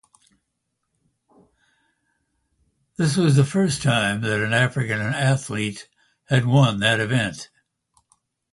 This was the first time that an African athlete had won that event.